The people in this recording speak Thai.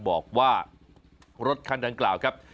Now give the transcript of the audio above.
บอกว่ารถคันดังกล่าวครับ